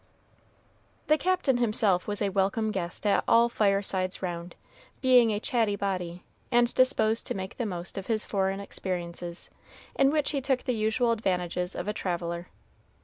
The Captain himself was a welcome guest at all the firesides round, being a chatty body, and disposed to make the most of his foreign experiences, in which he took the usual advantages of a traveler.